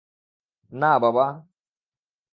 না, বাবা।